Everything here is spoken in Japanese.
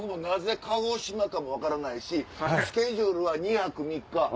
なぜ鹿児島かも分からないしスケジュールは２泊３日。